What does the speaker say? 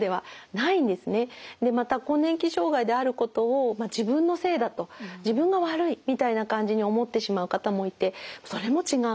また更年期障害であることを自分のせいだと自分が悪いみたいな感じに思ってしまう方もいてそれも違うんですよね。